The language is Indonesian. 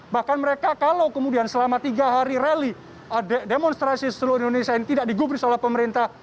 bahkan mereka kalau kemudian selama tiga hari rally demonstrasi seluruh indonesia ini tidak digubris oleh pemerintah